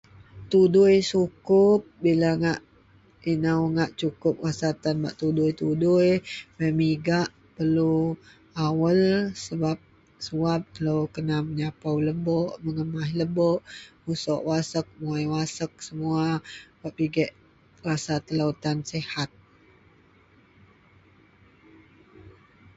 Tudoi sukup bila ngak ino ngak sukup bila masa tan bak tudoi, beh iyen migak perlu awel suwab kena menyapou lebok menyemaih lebok musok wakasek muwei wakasek semua bak pijek rasa telo tan sehat.